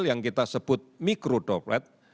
yang kita sebut mikro droplet